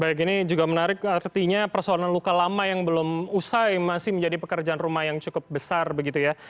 baik ini juga menarik artinya persoalan luka lama yang belum usai masih menjadi pekerjaan rumah yang cukup besar begitu ya